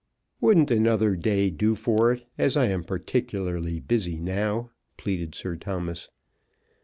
"Wouldn't another day do for it, as I am particularly busy now?" pleaded Sir Thomas.